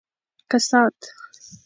کسات